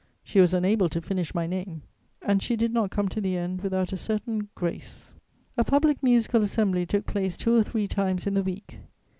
She was unable to finish my name, and she did not come to the end without a certain grace. A public musical assembly took place two or three times in the week.